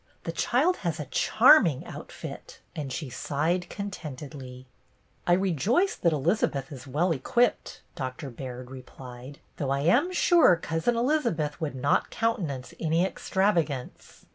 The child has a charm ing outfit ;" and she sighed contentedly. DEAR OLD MISS JANE 35 " I rejoice that Elizabeth is well equipped," Doctor Baird replied; "though I am sure Cousin Elizabeth would not countenance any extravagance.